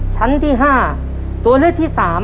ชั้นที่๕ตัวเลือกที่๓